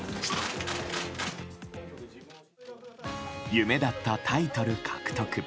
夢だったタイトル獲得。